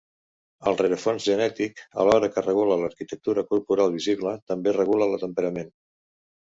El rerefons genètic, alhora que regula l'arquitectura corporal visible, també regula el temperament.